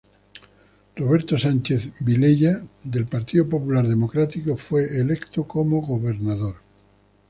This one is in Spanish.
Roberto Sánchez Vilella del Partido Popular Democrático fue electo como Gobernador.